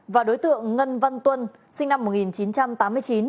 và đối tượng ngân văn tuân sinh năm một nghìn chín trăm tám mươi chín